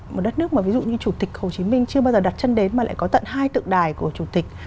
một đất nước mà ví dụ như chủ tịch hồ chí minh chưa bao giờ đặt chân đến mà lại có tận hai tượng đài của chủ tịch